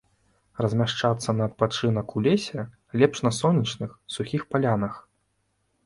Размяшчацца на адпачынак у лесе лепш на сонечных, сухіх палянах.